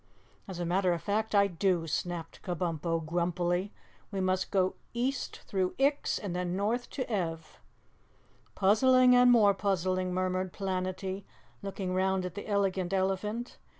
"As a matter of fact, I do," snapped Kabumpo grumpily. "We must go east through Ix and then north to Ev." "Puzzling and more puzzling," murmured Planetty, looking round at the Elegant Elephant.